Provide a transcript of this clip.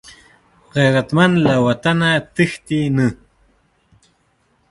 غیرتمند له وطنه تښتي نه